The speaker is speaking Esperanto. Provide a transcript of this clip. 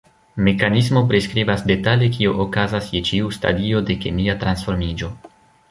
Mekanismo priskribas detale kio okazas je ĉiu stadio de kemia transformiĝo.